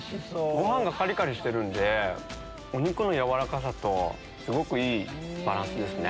ご飯がカリカリしてるんでお肉の軟らかさとすごくいいバランスですね